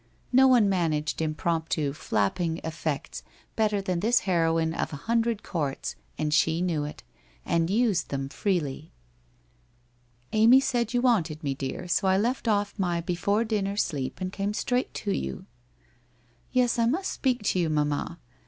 No one managed impromptu, flapping, effects better than this heroine of a hundred courts and she knew it, and used them freely. 1 Amy said you wanted me, dear, so I left off my before dinner sleep and came straight to you.' 1 Yes, I must speak to you, mamma.